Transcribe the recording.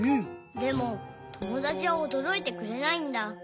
でもともだちはおどろいてくれないんだ。